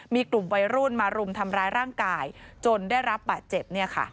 มีกลุ่มวัยรุ่นมารุมทำร้ายร่างกายจนได้รับบาดเจ็บ